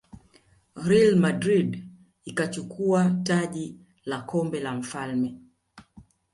real madrid ikachukua taji la kombe la mfalme